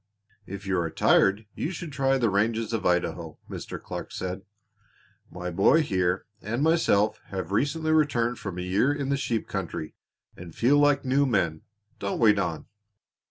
"If you are tired you should try the ranges of Idaho," Mr. Clark said. "My boy, here, and myself have recently returned from a year in the sheep country and feel like new men, don't we, Don?